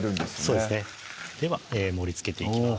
そうですねでは盛りつけていきます